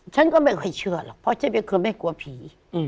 ฉันก็ไม่ค่อยเชื่อหรอกเพราะเจ๊เกียร์คือไม่กลัวผี